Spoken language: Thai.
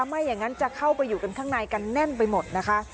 ไม่อย่างนั้นจะเข้าไปอยู่กันข้างในกันแน่นไปหมดนะคะ